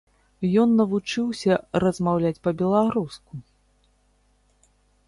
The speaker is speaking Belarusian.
Ён навучыўся размаўляць па-беларуску.